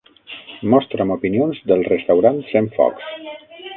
Mostra'm opinions del restaurant Centfocs.